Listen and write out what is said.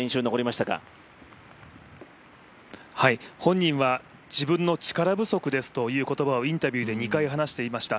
本人は自分の力不足ですという言葉をインタビューで２回話していました。